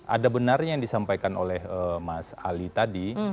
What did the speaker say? ada benarnya yang disampaikan oleh mas ali tadi